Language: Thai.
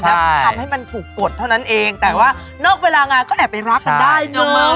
แล้วทำให้มันถูกกดเท่านั้นเองแต่ว่านอกเวลางานก็แอบไปรักกันได้จริง